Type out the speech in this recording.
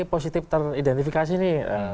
positif teridentifikasi nih